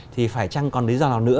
thì phải chăng còn lý do nào nữa